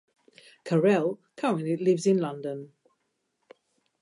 Carrel currently lives in London.